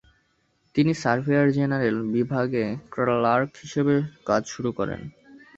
তিনি surveyor general বিভাগে clerk হিসাবে কাজ শুরু করেন।